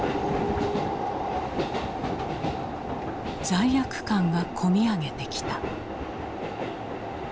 罪悪感がこみ上げてきた。